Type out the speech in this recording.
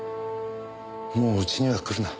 もううちには来るな。